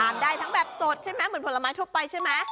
ได้ทั้งแบบสดใช่ไหมเหมือนผลไม้ทั่วไปใช่ไหม